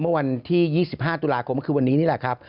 เมื่อวันที่๒๕ตุลาคมก็คือวันนี้นี่แหละครับ